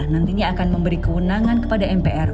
nantinya akan memberi kewenangan kepada mpr